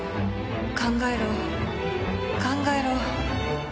考えろ考えろ！